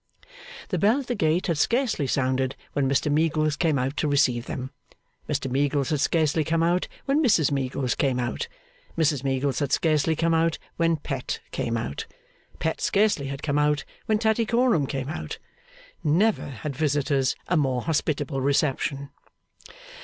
The bell at the gate had scarcely sounded when Mr Meagles came out to receive them. Mr Meagles had scarcely come out, when Mrs Meagles came out. Mrs Meagles had scarcely come out, when Pet came out. Pet scarcely had come out, when Tattycoram came out. Never had visitors a more hospitable reception.